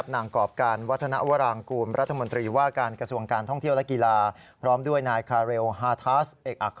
นางกรอบการวัฒนาวรางกลุ่มรัฐมนตรีว่าการกระทรวงการท่องเที่ยวและกีฬา